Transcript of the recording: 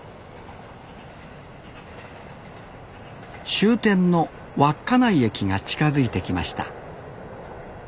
終点の稚内駅が近づいてきました